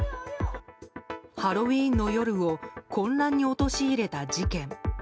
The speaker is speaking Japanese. ハロウィーンの夜を混乱に陥れた事件。